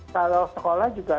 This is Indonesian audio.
kalau sekolah juga